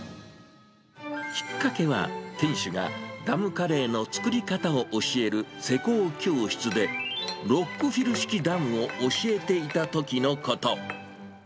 きっかけは、店主がダムカレーの作り方を教える施工教室で、ロックフィル式ダムを教えていたときのこと。